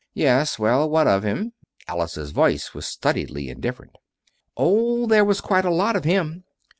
"Yes? Well, what of him?" Alice's voice was studiedly indifferent. "Oh, there was quite a lot of him.